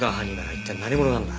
一体何者なんだ？